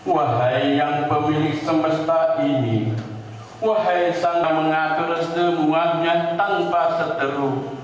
wahai yang pemilik semesta ini wahai sana mengatur semuanya tanpa seteru